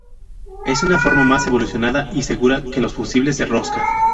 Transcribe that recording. Es una forma más evolucionada y segura que los Fusibles de rosca.